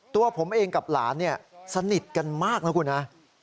ตัวผมเองกับหลานเนี่ยสนิทกันมากนะคุณฮะ